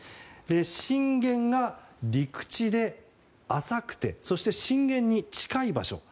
震源が陸地で浅くてそして震源に近い場所。